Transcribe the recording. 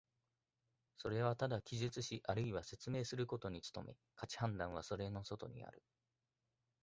それはただ記述しあるいは説明することに努め、価値判断はそれの外にある。